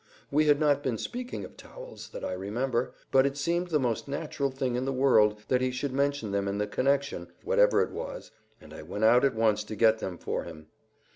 We had not been speaking of towels, that I remember, but it seemed the most natural thing in the world that he should mention them in the connection, whatever it was, and I went at once to get them for him.